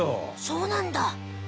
そうなんだ。